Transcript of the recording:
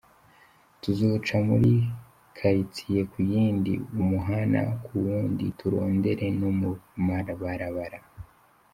"Tuzoca muri kaitiye ku yindi, umuhana ku wundi, turondere no mu maabarabara.